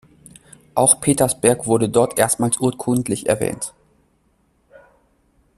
Auch Petersberg wurde dort erstmals urkundlich erwähnt.